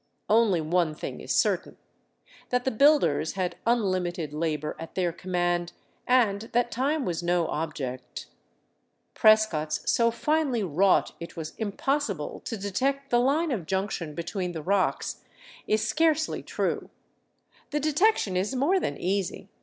Only one thing is certain; that the builders had unlimited labor at their command and that time was no object. Prescott's " so finely wrought it was impossible to detect the line of junction between the rocks " is scarcely true ; the detection is more than easy.